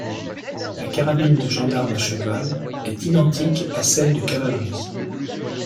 La carabine de gendarme à cheval est identique à celle de cavalerie.